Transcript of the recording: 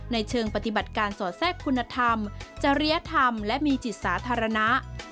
ในเชิงปฏิบัติการสอดแทรกคุณธรรมจริยธรรมและมีจิตสาธารณะ